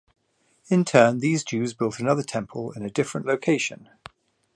In turn, these Jews built another temple in a different location.